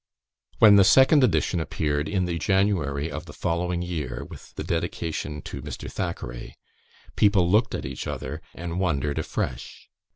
When the second edition appeared, in the January of the following year, with the dedication to Mr. Thackeray, people looked at each other and wondered afresh.